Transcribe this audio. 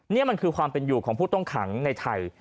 นี่มันคือความเป็นอยู่ของผู้ต้องขังในไทย